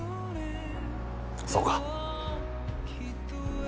そうか。